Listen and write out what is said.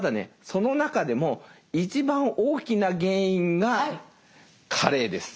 その中でも一番大きな原因が「加齢」です。